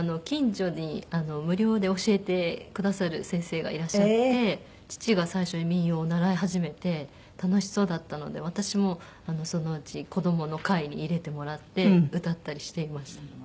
近所に無料で教えてくださる先生がいらっしゃって父が最初に民謡を習い始めて楽しそうだったので私もそのうち子供の会に入れてもらって歌ったりしていました。